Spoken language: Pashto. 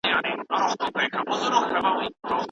هغه هم د ټولنیز ژوند په اړه ژور نظرونه لري.